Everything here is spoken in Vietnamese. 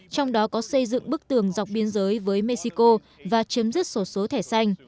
trong đó có xây dựng bức tường dọc biên giới với mexico và chấm dứt sổ số thẻ xanh